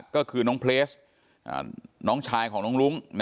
ก็คือน้องเพลสน้องชายของน้องรุ้ง